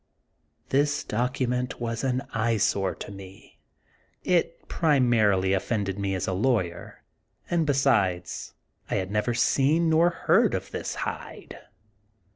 This document was an eyesore to me. It pri marily offended me as a lawyer, and besides I had never seen nor heard of this Hyde.